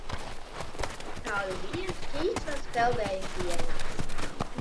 Kādu dienu ķīsels peldēja pienā.